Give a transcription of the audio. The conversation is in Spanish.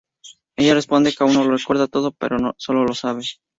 Ella responde que aún no lo recuerda todo, pero solo lo sabe.